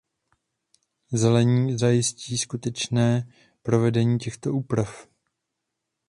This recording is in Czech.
Zelení zajistí skutečné provedení těchto úprav.